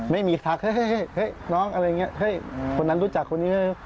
ไม่มีทักน้องอะไรอย่างเงี้ยคนนั้นรู้จักคนอื่น